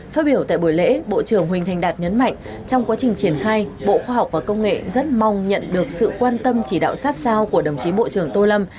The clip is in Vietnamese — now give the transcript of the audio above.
phát biểu tại buổi lễ bộ trưởng huỳnh thành đạt nhấn mạnh trong quá trình triển khai bộ khoa học và công nghệ rất mong nhận được sự quan tâm chỉ đạo sát sao của đồng chí bộ trưởng tô lâm